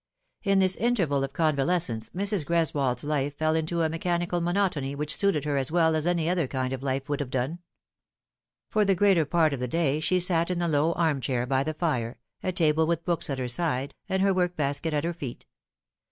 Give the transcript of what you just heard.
In this interval of convalescence Mrs. Gres wold's life fell into a mechanical monotony which suited her as well as any other kind of life would have done. For the greater part of the day she sat in the low armchair by the fire, a table with books at her side, and her work basket at her feet.